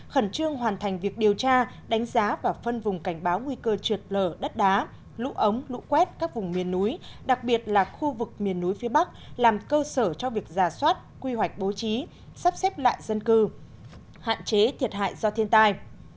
khẩn trương hoàn thành việc điều tra đánh giá và phân vùng cảnh báo nguy cơ trượt lở đất đá lũ ống lũ quét các vùng miền núi đặc biệt là khu vực miền núi phía bắc làm cơ sở cho việc giả soát quy hoạch bố trí sắp xếp lại dân cư hạn chế thiệt hại do thiên tai